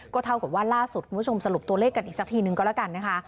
เท่ากับว่าล่าสุดคุณผู้ชมสรุปตัวเลขกันอีกสักทีนึงก็แล้วกันนะคะ